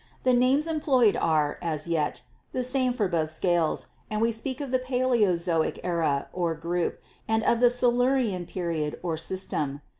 The names employed are, as yet, the same for both scales, and we speak of the Paleozoic Era or Group and of the Silurian Period or System.